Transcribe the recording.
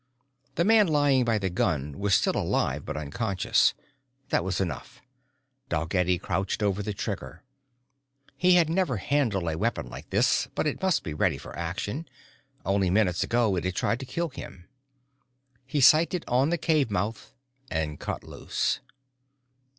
The man lying by the gun was still alive but unconscious. That was enough. Dalgetty crouched over the trigger. He had never handled a weapon like this but it must be ready for action only minutes ago it had tried to kill him. He sighted on the cave mouth and cut loose.